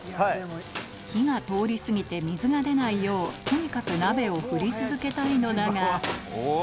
火が通りすぎて水が出ないようとにかく鍋を振り続けたいのだがおぉ！